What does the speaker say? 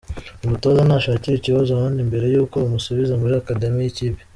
Uyu mutoza nashakire ikibazo ahandi mbere y'uko bamusubiza muri Academy y'ikipe!!!.